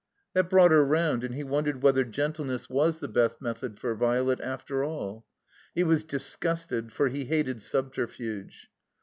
That brought her round, and he wondered whether gentleness was the best method for Violet after all. He was disgusted, for he hated subterfuge.